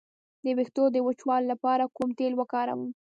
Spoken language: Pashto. د ویښتو د وچوالي لپاره کوم تېل وکاروم؟